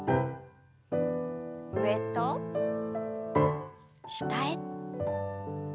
上と下へ。